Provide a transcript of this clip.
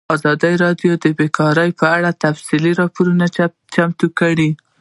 ازادي راډیو د بیکاري په اړه تفصیلي راپور چمتو کړی.